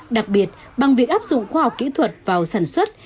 đặc biệt bằng việc áp dụng khoa học kỹ thuật vào sản xuất